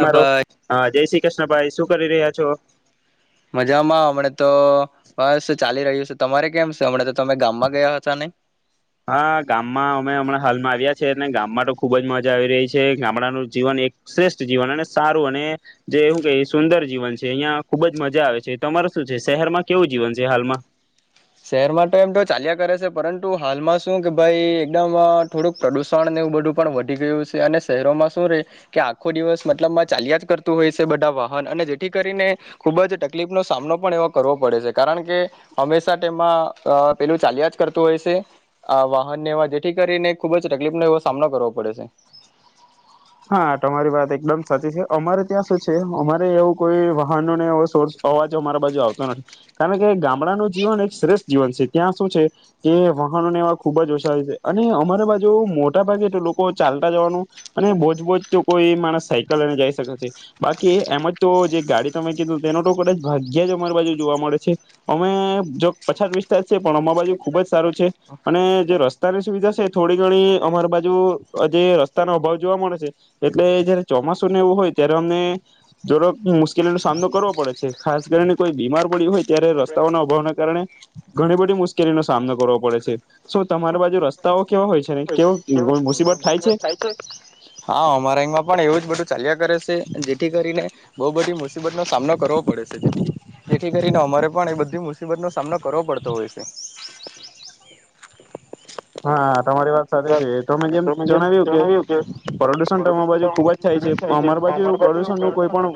હા મારો ભાઈ હા જય શ્રી કૃષ્ણ. ભાઈ શું કરી રહ્યા છો. મજામાં હમણા તો બસ ચાલી રહ્યું છે તમારે કેમ છે હમણા તો તમે ગામમાં ગયા હતા ને. હા ગામમાં અમે હમણાં હાલમાં આવ્યા છે ગામમાં તો ખુબ જ મજા આવી રહી છે ગામડાનું જીવન એક શ્રેષ્ઠ જીવન અને સારું અને જે એવું કે સુંદર જીવન છે અહિયાં ખુબ જ મજા આવે છે તમાર શું છે શહેરમાં કેવું જીવન છે હાલમાં. શહેરમાં તો એમ તો ચાલ્યા કરે છે પરંતુ હાલમાં શું કે ભાઈ એકદમ થોડુંક પ્રદુષણ એવું બધું પણ વધી ગયું છે અને શહેરોમાં શું રે કે આખો દિવસ મતલબમાં ચાલ્યા જ કરતું હોય છે બધા વાહન અને જેથી કરીને ખુબ જ તકલીફનોો સામનો પણ એવો કરવો પડે છે કારણ કે હમેશ માં પેલું ચાલ્યા જ કરતું હોય છે આ વાહનને જેથી કરીને ખુબ જ તકલીફનો એવો સામનો કરવો પડે છે. હા તમારી વાત એકદમ સાચી છે અમારે ત્યાં શું છે અમારે એવું કોઈ વાહનોને એવો સોર્સ અવાજ અમારા બાજુ આવતો નથી કારણ કે ગામડાનું જીવન એક શ્રેષ્ઠ જીવન છે ત્યાં શું છે કે વાહનોને એવા ખૂબ જ ઓછારી છે અને અમારી બાજુ મોટા ભાગેટ લોકો ચાલતા જવાનું અને બજ જ તો કોઈ માણસ સાયકલ લઈને જાય શકે છે બાકી એમ જ તો જે ગાડી તમે કીધું તેનો તો કદાચ ભાગ્ય જ અમારી બાજુ જોવા મળે છે અમે જો પછાત વિસ્તાર છે પણ અમાર બાજુ ખુબ જ સારું છે અને જે રસ્તાની સુવિધા છે થોડી ઘણી અમારી બાજુ જે રસ્તાનો અભાવ જોવા મળે છે. એટલે જયારે ચોમાસુંને એવું હોય ત્યારે અમને જડક મુશ્કેલીનોો સામનો કરવો પડે છે ખાસ કરીને કોઈ બીમાર પડી્યું હોય ત્યારે રસ્તાઓના અભાવને કારણે ઘણી બધી મુશ્કેલીનોો સામનો કરવો પડે છે સ તમારી બાજુ રસ્તાઓ કેવા હોય છે ને? કેવ કેવું મુસીબત થાય છે. હા અમારે અમાં પણ એવું જ બધું ચાલ્યા કરે છે જેથી કરીને બહ બધી મુસીબતનોો સામનો કરવો પડે છે જેથી કરીને અમારે પણ એ બધી મુસીબત નો સામનો કરવો પડતો હોય છે. હા. તમારી વાત સાથે છે તો મેં જેમ જણાવ્યું કે પ્રદુષણ તો બાજુ ખુબ જ થાય છે અમારી બાજુ એવું પ્રદુષણ નું કોઈ પણ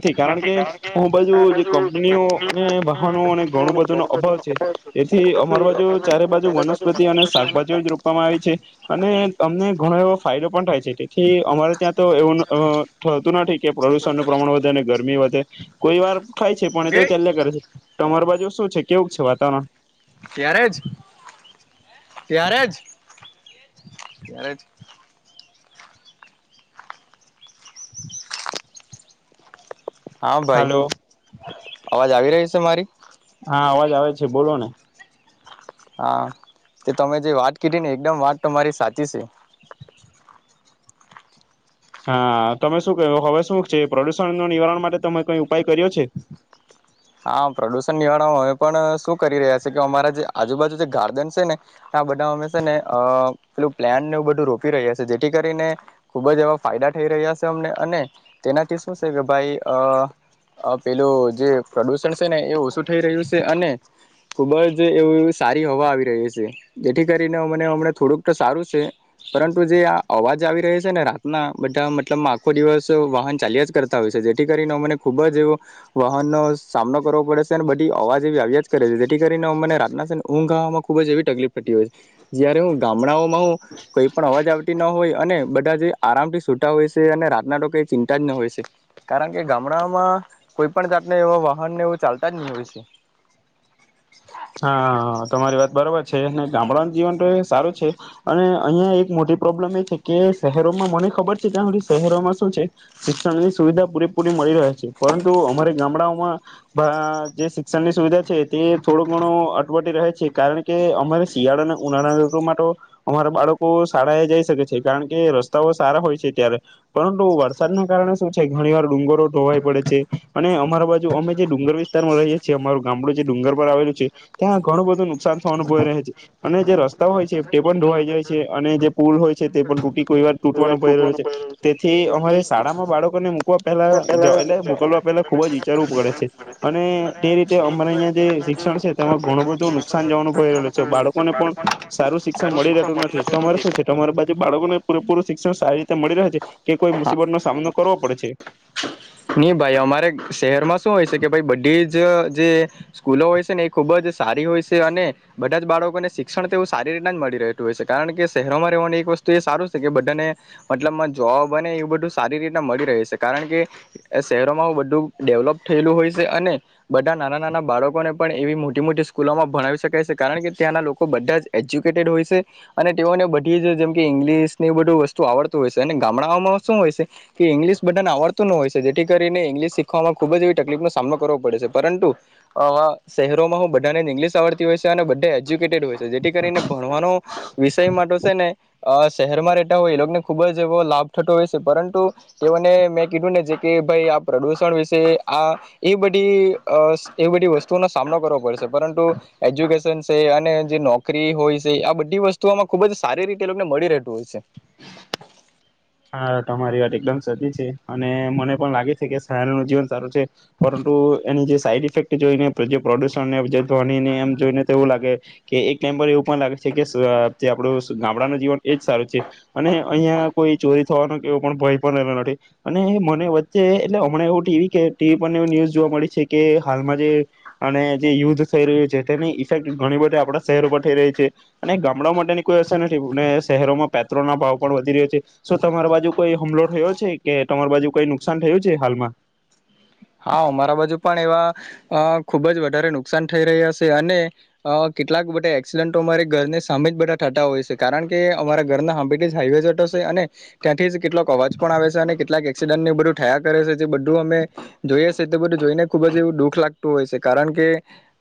નથી કારણ કે હુ બાજુ જે કંપનીઓ અને વાહનો અને ઘણું બધું નો અભાવ છે તેથી અમાર બાજુ ચારે બાજુ વનસ્પતિ અને શાકભાજી એ રૂપમાં આવી છે અને અમને ઘણો એવો ફાયદો પણ થાય છે. થી અમારે ત્યાં તો એવું થતું નથી કે પ્રદુષણ નું પ્રમાણ વધે અને ગરમી વધે કોઈ વાર થાય છે પણ એ તો ઓકે ચલ્લે કરે છે. શું છે કેવું છે વાતાવરણ? ત્યારે જ ત્યારે જ ત્યારે જ હા ભાઈ હાલો અવાજ આવી રહીશ. તમારી. હા અવાજ આવે છે બોલો ને. હા તે તમે જે વાત કીધી ને એકદમ વાત તમારી સાચી છે. હા તમે શું ક્યું હવે શું છે પ્રદુષણ ન નિવારણ માટે તમે કઈ ઉપાય કર્યો છે. હા પ્રદુષણ નિવારણમાં અમે પણ શું કરી રહ્યાી કે અમારા જે આજુબાજુ જે ગાર્ડન છે ને આ બધા હમે છે ને અ પેલું પ્લાનને એવ બધું રોપી રહ્યા છે જેથી કરીને ખુબ જ એવા ફાયદા થઈ રહ્યા છે અમને અને તેનાથી શું છે કે ભાઈ પેલું જે પ્રદૂષણ છે ને એ ઓછું થઈ રહ્યું છે અને ખૂબ જ એવું સારી હવા આવી રહી છે જેથી કરીને મને અમને થોડુંક તો સારું છે પરંતુ જે આ અવાજ આવી રહ્યો છે ને રાતના બધા મતલબ આખો દિવસ વાહન ચાલ્યા જ કરતા હોય છે જેથી કરીને અ મને ખૂબ જ એવો વાહનનો સામનો કરવો પડે છે અને બધી અવાજ એવી આવ્યા જ કરે છે જેથી કરીને મને રાતનાને ઊંઘ ગાવામાં ખૂબ જ એવી તકલીફ પતી હોય છે જય્યારે હું ગામડાઓમાં હું કઈ પણ અવાજ આવતી ન હોય અને બધા જ આરામથી છૂટા હોય છે અને રાતના તો કંઈ ચિંતા જ ન હોય છે કારણ કે ગામડાઓમાં કોઈ પણ જાતને એવા. ને એવું ચાલતા જ નહી હોશે. હા તમારી વાત બરાબર છે અને ગામડાઓનું જીવન તો એ સારું છે અને અહિયાં એક મોટી પ્રોબ્લેમ એ છે કે શહેરોમાં મને ખબર છે ત્યાં સુળી શહેરોમાં શું છે શિક્ષણની સુવિધા પૂરેપૂરી મળી રહે છે પરંતુ અમારે ગામડાઓમાં જે શિક્ષણ ની સુવિધા. થોડો. અટવટી રહે છે કારણ કે અમારે શિયાળા અને ઉનાળા માટે અમારા બાળકો શાળા એ જઈ શકે છે કારણ કે રસ્તાઓ સારા હોય છે ત્યારે પરંતુ વરસાદના કારણે શું છે ઘણી વાર ડુંગરો ઢોવાય પડે છે અને અમારા બાજુ અમે જે ડુંગર વિસ્તાર માં રહીએ છીએ અમાર ગામડું જે ડુંગર પર આવેલું છે. ત્યાં ઘણું બધું નુકસાન અનુભ રહે છે અને જે રસ્તા હોય છે તે પણ ધોવાઈ જાય છે અને જે પુલ હોય છે તે પણ તૂટી. કોઈ વાર તૂટવાનું પડી રહ્યો છે તેથી અમારે શાળામાં બાળકોને મકવા પહેલા એટલે મોકલવા પહેલા ખુબ જ વિચારવું પડે છે અને તે રીતે અમારે અહં જે શિક્ષણ છે તેમાં ઘણું બધું નુકસાન જવાનું ભય રહલું છે બાળકોને પણ સારું શિક્ષણ મળી રહેતું નથી તમારે શું છે તમારે બાજુ બાળકો ને પૂરેપૂર શિક્ષણ સારી રીતે મળી રહે છે કે કોઈ મુસીબતનોો સામનો કરવો પડે છે. નહી ભાઈ અમારે શહેરમાં શું હોય છે કે ભાઈ બધી જ જે સ્કૂલો હોય છે ને એ ખૂબ જ સારી હોય છે અને બધા જ બાળકોને શિક્ષણ તેવું સારી રીતના જ મળી રહેતું હોય છે કારણ કે શહેરોમાં રહેવાની એક વસ્તુ એ સારું છે કે બધાને મતલબમાં જોબ બને એવું બધું સારી રીતના મળી રહે છે કારણ કે એ શહેરોમાં બધું ડેવલોપ થયેલું હોય છે અને બધા નાના નાના બાળકોને પણ એવી મોટી મોટી સ્કૂલોમાં ભણાવી શકાય છે કારણ કે ત્યાંના લોકો બધા જ એજ્યુકેટેડ હોય છે અને તેઓને બધી જ જેમકે ઈંગ્લિશની બધું વસ્તુ આવડત હોય છે અને ગામડાઓમાં શું હોય છે કે ઇંગ્લિશ બધાને આવડતું ન હોય છે. જેથી કરીને ઇંગ્લિશ શીખવામાં ખુબ જ એવી તકલીફ નો સામનો કરવો પડે છે પરંતુ શહેરોમાં હું બધાને જ ઇંગ્લિશ આવડતી હોય છે અને બધા હોય છે જેથી કરીને ભણવાનો વિષય માટે છે ને. અ શહેરમાં ર રહેતા હોય એ લોકોને ખુબ જ એવો લાભ થઠતોો હોય છે પરંતુ એઓને મેં કીધું ને જે. કે ભાઈ આ પ્રદુષણ વિશે આ એ બધી એ બધી વસ્તુઓનો સામનો કરવો પડશે પરંતુ એજ્યુકેશન છે અને જે નોકરી હોય છે આ બધી વસ્તુઓમાં ખુબ જ સારી રીતે એ લોકોને મળી રહેતું હોય છે હા તમારી વાત એકદમ સચી છે અને મને પણ લાગે છે. કે સારૂ નું જીવન સારું છે. પરંતુ એની જે સાઈડ ઇફેક્ટ જોઈને જે પ્રોડ્યુસન ને ધને એમ જોઈને તો એવું લાગે કે એક ટાઈમ પર એવુ વ લાગે છે. કેસ જે આપડું ગામડા ન જીવન એજ સારું છે. અને અહિયાં કોઈ, ચોરી થવાનો એવો પણ ભય પણ રહલો નથી અને મને વચ્ચે એટલે હમણાં એવું ટીવી કે ટીવી પર એ ન્યૂઝ જોવા મળી છે કે હાલમાં જે અને જે યુદ્ધ થઈ રહ્યું છે તેની ઇફેક્ટ ઘણી બધી આપણા શહેરો પર થઈ રહી છે. અને ગામડાઓ માટેની કોઈ અસર નથી. શહેરોમાં, પેટ્રોલના, ભાવ પણ વધી રહ્યો છે. શું તમારા બાજુ કોઈ હુમલો થયો છે. કે તમારી બાજુ કોઈ નુકસાન, થયું છે. હાલમાં હા અ મારા બાજુ પણ એવા. અ ખુબ જ વધારે નુકસાન થઈ રહ્યા છે અને અ કેટલાક બધા એક્સિડન્ટો અમારી ઘરની સામે જ બધા થતા હોય છે કારણ કે અમારા ઘરના હાંભીથી જ હાઈવે જટ છે. અને ત્યાંથી કેટલાક અવાજ પણ આવે છે. અને કેટલાક એક્સિડન્ટને બધું થયા કરે છે. જે બધું અમે. જોઈએ છે તે બધું જોઈને ખુબ જ એવું દુઃખ લાગતું હોય છે કારણ કે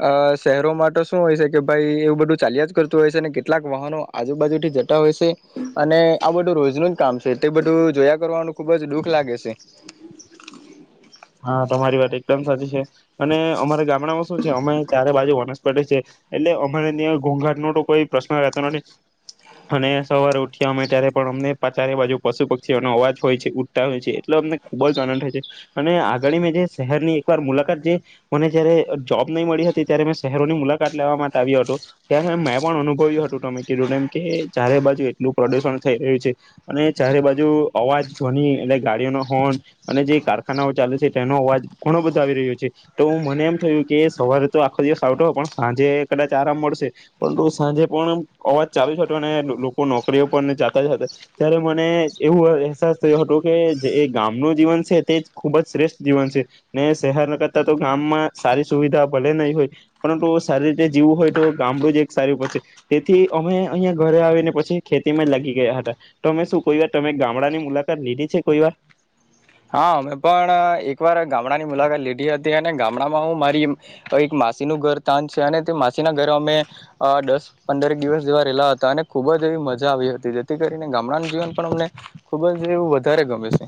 અ શહેરો માટે શું હોય છે કે ભાઈ એવું બધું ચાલ્યા જ કરતું હોય છે અને કેટલાક વાહનો આજુબાજુથી જતા હોય છે. અને આ બધું રોજનું જ કામ છે. તે બધું જોયા કરવાનું ખુબ જ દુખ લાગે છે. હા તમારી વાત. સાચી છે અને અમારા ગામ હમણાં માં શું છે અમે ચારે બાજુ વનસ્પતિ છે એટલે અમારે ત્યાં ઘોંઘાટ નો તો કોઈ પ્રશ્ન રહેતો નથી અને સવારે ઉઠ્યા અમે ત્યારે પણ અમને ચારે બાજુ પશુ પક્ષીઓનો અવાજ હોય છે, ઉઠતાં હોય છે એટલે અમને ખુબ જ આનંદ થાય છે. અને આગળ મેં જે શહેરની એકવાર મુલાકાત જે મને જયારે જોબ નહી મળી હતી ત્યારે મેં શહેરોની મુલાકાત લેવા માટે આવ્યો હતો ત્યારે મેં પણ અનુભવ્યું હતું. તમે કીધું એમ કે ચારે બાજુ એટલું પ્રદુષણ થઈ રહ્યું છે અને ચારે બાજુ અવાજ ધવની એટલે ગાડીઓ ન હોર્ન અને જે કાર ના ચાલે છે તેનો અવાજ ઘણો બધો આવી રહ્યો છે. તો મને એમ થયું કે સવારે તો આખો દિવસ આવતો પણ સાંજે કદાચ આરામ મળશે. પરંતુ સાંજે પણ અવાજ ચાલુ જ હતો અને લોકો નોકરીઓ પર જાતા જતા ત્યારે મને એવું અહેસાસ થયો હતો કે જે ગામનું જીવન છે તે જ ખુબ જ શ્રેષ્ઠ જીવન છે ને શહેરના કરતા તો ગામમાં સારી સુવિધા ભલે નહીં હોય પરંતુ સારી રીતે જીવું હોય તો ગામડું જ એક સારું પડશે. તેથી અમે અહીંયાં ઘરે આવીને પછી ખેતીમાં જ લાગી ગયા હતા તો અમે શું કોઈ વાર તમે ગામડાની મુલાકાત લીધી છે કોઈ વા હા, અમે પણ એકવાર ગામડાની મુલાકાત લીધી હતી અને ગામડામાં હું મારી એક માસીનું ઘર તાન છે અને તે માસીના ઘર અમે અ દસ પંદર દિવસ જેવા રહેેલા હતા અને ખૂબ જ એવી મજા આવી હતી. જેથી કરીને ગામડાનું જીવન પણ અમને ખુબ જ એવું વધારે ગમે છે.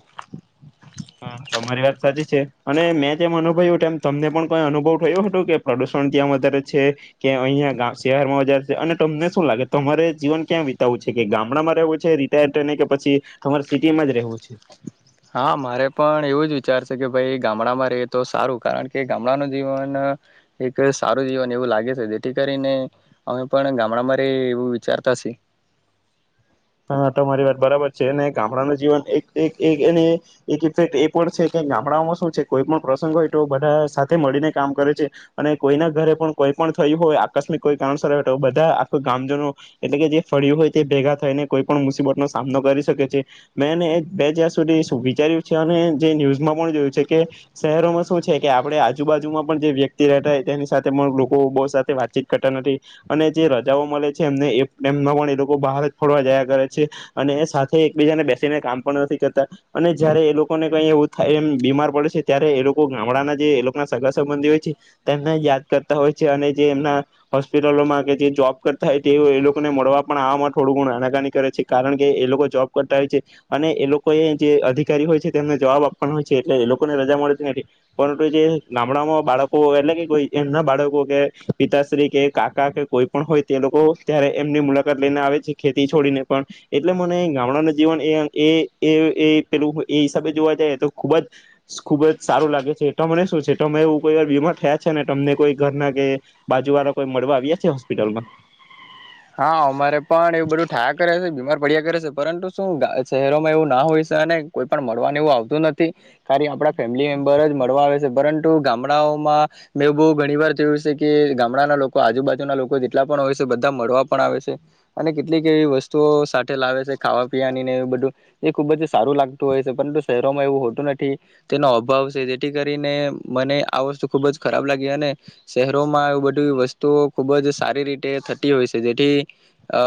હા તમારી વાત સાચી છે અને મેં જેમ અનુભવ્યો એમ તમને પણ કોઈ અનુભવ થયો હતું કે પ્રદુષણ ક્યાં વધારે છે કે અહિયાં શહેર માં વધારે છે અને તમને શું લાગે તમારે જીવન ક્યાં વિતાવું છે કે ગામડામાં રહેવું છે રિટાયર થઈને કે પછી તમારે સિટી માં જ રહેવું છે? હા મારે પણ એવું જ વિચાર છે કે ભાઈ ગામડામાં રહી તો સારું. કારણ કે ગામડાનું જીવન એક સારું જીવન એવું લાગે છે. જેથી કરીને અમે પણ ગામડામાં રહ હા તમારી વાત બરાબર છે અને ગામડાનું જીવન એક એને એક ઇફેક્ટ એ પણ છે કે ગામડામાં શું છે કોઈ પણ પ્રસંગો હોય તો બધા સાથે મળીને કામ કરે છે. અને કોઈના ઘરે પણ કોઈ પણ થયું હોય આકસ્મિક, કોઈ કારણસર બધા આખા ગામજનો એટલે કે જે ફળીયું હોય તે ભેગા થઈને કોઈ પણ મુસીબતનો સામનો કરી શકે છે મેંને બે જ્યાાર સુધી વિચાર્યું છે અને જે ન્યૂઝમાં પણ જોયું છે કે શહેરોમાં શું છે કે આપણે આજુબાજુમાં પણ જે વ્યક્તિ રહેતા તેની સાથે પણ લોકો બહુ સાથે વાતચીત કરતા નથી. અને જે રજાઓ મળે છે. એમને એમના પણ એ લોકો બહાર જ ફરવા જવા અને સાથે એકબીજાને બેસીને કામ પણ નથી કરતા અને જયારે એ લોકોને કઈ એવું થાય એ બીમાર પડે છે ત્યારે એ લોકો ગામડાના જે લોકો ના સગા સંબંધી હોય છે તેમને યાદ કરતા હોય છે અને જે એમના હોસ્પિટલો માં કે જે જોબ કરતા હોય તે એ લોકોને મળવા પણ આવામાં થોડુંપણ આના કાનાની. કરે છે કારણ કે એ લોકો જોબ કરતા હોય છે અને એ લોકો એ જે અધિકારી હોય છે તેમને જવાબ આપવાના હોય છે એટલે એ લોકોને રજા મળેતી નથી પરંતુ જે ગામડામાં બાળકો એટલે કે કોઈ એમના બાળકો કે પિતાશ્રી કે કાકા કે કોઈ પણ હોય તે લોકો ત્યારે એમની મુલાકાત લઈને આવે છે. ખેતી છોડીને પણ એટલે મને ગામડાનું જીવન એ એ પેલું એ હિસાબે જોવા જાય તો ખુબ જ ખુબ જ સારું લાગે છે. તો મને શું છે. એવું કોઈ વાર બીમાર થયા છે ને તમને કોઈ ઘરના કે બાજુ વાળા કોઈ મળવા આવ્યા છે. હોસ્પિટલ માં હા અમારે પણ એવું બધું થાયા કરે છે બીમાર પડ્યા કરે છે પરંતુ શું શહેરોમાં એવું ના હોય છે અને કોઈ પણ મળવાનું એવું આવતું નથી ખ આપણા ફેમિલી મેમ્બર જ મળવા આવે છે પરંતુ ગામડાઓ. માં મેં એું બહુ ઘણી વાર થયું છે. કે ગામડાના લોકો આજુબાજુના લોકો જેટલા પણ હોય છે. બધા મળવા. પણ આવે છે. અને કેટલીક એવી વસ્તુઓ લાવે છે. ખાવા પીવાની ને એવું બધું એ ખુબ જ સારું લાગતું હોય છે પરંતુ શહેરોમાં એવું હોતું નથી તેનો અભાવ છે. જેથી કરીને મને આ વસ્તુ ખુબ જ ખરાબ લાગી અને શહેરોમાં એ બધી વસ્તુઓ ખુબ જ સારી રીતે થતી હોય છે. જેથી અ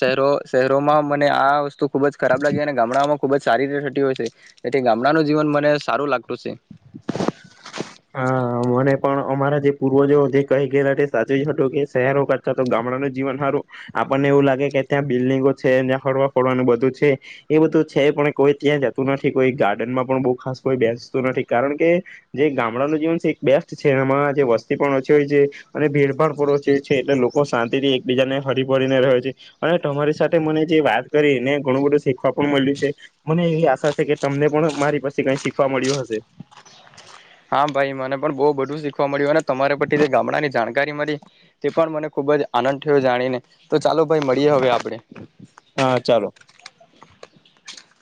શહેરો શહેરોમાં મને આ વસ્તુ ખુબ જ ખરાબ લાગી અને ગામડામાં ખુબ જ સારી રીતે થતી હોય છે. જેથી ગામડાનું જીવન મને સારું લાગતું છે. હા મને પણ અમારા જે પૂર્વજો જે કહી ગયેલા સાચી જ હત કે શહેરો કરતા તો ગામડાનું જીવન સારું આપણને એવું લાગે કે ત્યાં બિલ્ડિંગો છે ત્યાં હરવા ફરવાનું બધું છે. એ બધું છે. પણ કોઈ ત્યાં જતું નથી કોઈ ગાર્ડનમાં પણ બહુ ખાસ કોઈ બેસતું નથી. કારણ કે જે ગામડાનું જીવન છે બેસ્ટ છે એમાં જે વસ્તી પણ ઓછી હોય છે અને ભીડભાડ પણ ઓછી હોય છે એટલે લોકો શાંતિથી એકબીજાને હરી ભળને રહ્યો છે અને તમારી સાથે મને જે વાત કરી એને ઘણું બધું શીખવા પણ મળ્યું છે. મને એવી આશા છે. કે તમને પણ મારી પાસે કઈ શીખવા મળ્યું હશે. હા ભાઈ મને પણ બહુ બધું શીખવા મળ્યું અને તમારા પરથી જે ગામડાની જાણકારી મળી તે પણ મને ખુબ જ આનંદ થયો, જાણીને. તો ચાલો ભાઈ મળીએ હવે આપડે. હા ચાલો